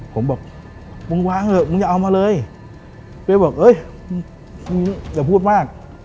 ผมบอกมึงวางเถอะมึงอย่าเอามาเลยเป้บอกเอ้ยมึงอย่าพูดมาก